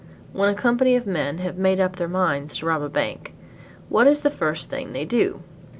When a company of men have made up their minds to rob a bank, what is the first thing they do?